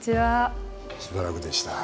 しばらくでした。